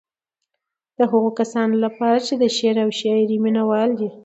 د هغو کسانو لپاره چې د شعر او شاعرۍ مينوال دي.